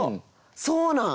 そうなん？